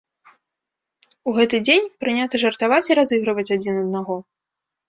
У гэты дзень прынята жартаваць і разыгрываць адзін аднаго.